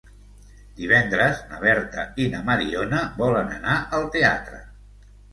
Divendres na Berta i na Mariona volen anar al teatre.